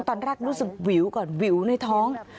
ตอนแรกรู้สึกวิวก่อนวิวในท้อง